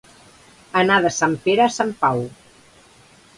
Anar de sant Pere a sant Pau.